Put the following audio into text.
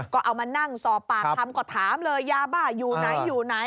ก็เอามานั่งสอบปากคำก็ถามเลยยาบ้าอยู่ไหนอยู่ไหน